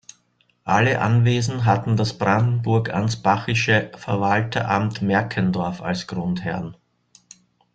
Alle Anwesen hatten das brandenburg-ansbachische Verwalteramt Merkendorf als Grundherrn.